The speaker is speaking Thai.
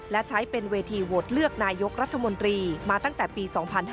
และใช้เป็นเวทีโหวตเลือกนายกรัฐมนตรีมาตั้งแต่ปี๒๕๕๙